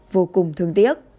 vô cùng thương